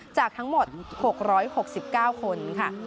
จากทั้งหมด๖๖๙คนค่ะ